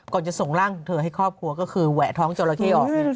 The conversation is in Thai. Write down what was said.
จะส่งร่างของเธอให้ครอบครัวก็คือแหวะท้องจราเข้ออก